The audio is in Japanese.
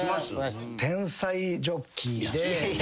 天才ジョッキーで。